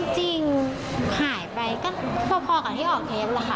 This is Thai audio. จริงหายไปก็พอกับที่ออกเทปล่ะค่ะ